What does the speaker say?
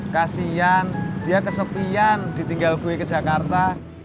kasian dia kesepian ditinggal gue ke jakarta